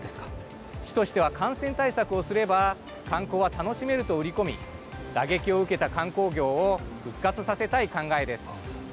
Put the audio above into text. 市としては感染対策をすれば観光は楽しめると売り込み打撃を受けた観光業を復活させたい考えです。